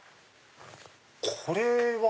これは？